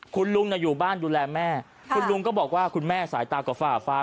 คุณลุงอยู่บ้านดูแลแม่คุณลุงก็บอกว่าคุณแม่สายตาก็ฝ่าฟ้า